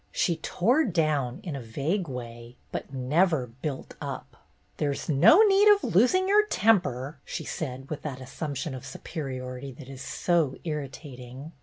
She tore down in a vague way, but never built up. "There 's no need of your losing your temper," she said, with that assumption of superiority that is so irritating.